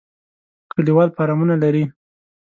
کلیوال فارمونه لري.